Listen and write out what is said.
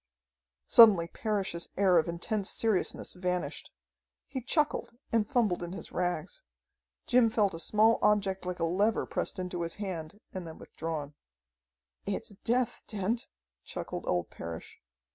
Suddenly Parrish's air of intense seriousness vanished. He chuckled and fumbled in his rags. Jim felt a small object like a lever pressed into his hand and then withdrawn. "It's death, Dent," chuckled old Parrish.